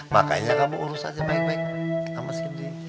makanya kamu urus aja baik baik sama sinti